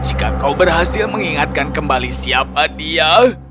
jika kau berhasil mengingatkan kembali siapa dia